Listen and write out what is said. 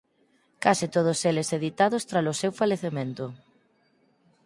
Case todos eles editados tralo seu falecemento.